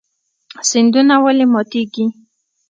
سیندونه ولې ماتیږي؟